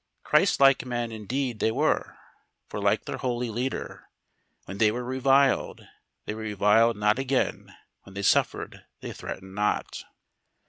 Christ like men, indeed, they were, for, like their Holy Leader, "when they were reviled they reviled not again; when they suffered they threatened not."